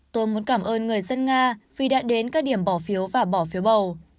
tôi muốn cảm ơn người dân nga vì đã đến các điểm bỏ phiếu và bỏ phiếu bầu